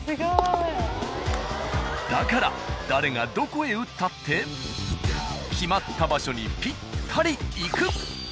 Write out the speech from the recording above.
だから誰がどこへ打ったって決まった場所にぴったり行く。